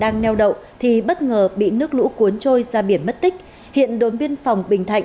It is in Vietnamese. ba ngư dân bị lũ cuốn mất tích trên biển